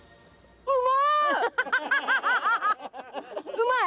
うまい？